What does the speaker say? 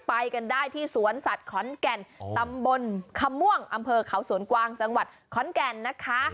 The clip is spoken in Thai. ไปกันได้ที่สวนสัตว์ขอนแก่นตำบลคำม่วงอำเภอเขาสวนกวางจังหวัดขอนแก่นนะคะ